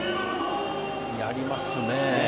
やりますね。